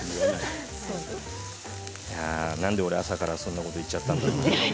なんで俺、朝からそんなこと言っちゃったんだろう。